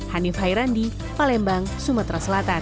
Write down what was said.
hanif hairandi palembang sumatera selatan